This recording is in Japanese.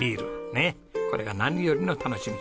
ねえこれが何よりの楽しみ。